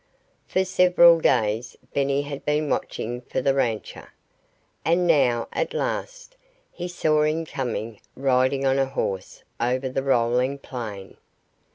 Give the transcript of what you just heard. For several days Benny had been watching for the rancher. And now, at last, he saw him coming, riding on a horse over the rolling plain.